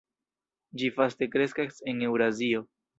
Ĝi vaste kreskas en Eŭrazio.